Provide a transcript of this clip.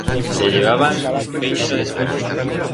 Se llevaban un feixo de tochos.